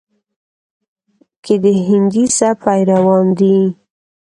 کې د هندي سبک پېروان دي،